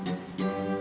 mak mak mak